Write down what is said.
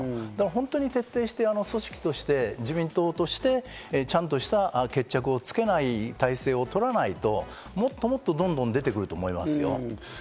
本当に徹底して組織として自民党として、ちゃんとした決着をつけない体制をとらないともっとどんどん出てくると思いますよ。